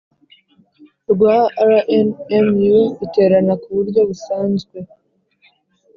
Rwa rnmu iterana ku buryo busanzwe